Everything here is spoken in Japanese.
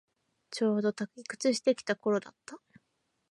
ちょうど退屈してきた頃だった